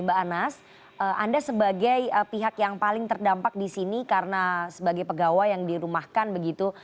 mbak anas anda sebagai pihak yang paling terdampak di sini karena sebagai pegawai yang dirumahkan begitu